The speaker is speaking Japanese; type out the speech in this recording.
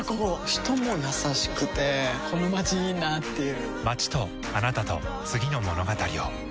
人も優しくてこのまちいいなぁっていう